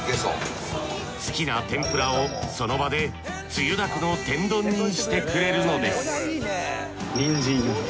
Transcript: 好きな天ぷらをその場でつゆだくの天丼にしてくれるのです人参。